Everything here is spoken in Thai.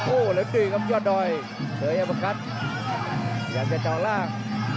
โอ้เล่นดีครับยอดดอยเดย์แอฟโอคัทพยายามจะเจาะล่าง